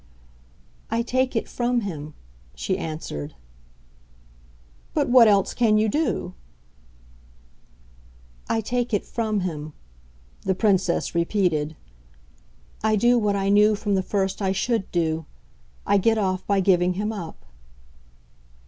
"I take it from him," she answered. "But what else can you do?" "I take it from him," the Princess repeated. "I do what I knew from the first I SHOULD do. I get off by giving him up."